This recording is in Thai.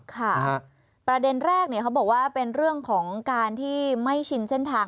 ประเด็นแรกเขาบอกว่าเป็นเรื่องของการที่ไม่ชินเส้นทาง